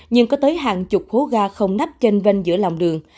nhưng có tới hàng chục hố ga không nắp chênh vênh giữa lòng đường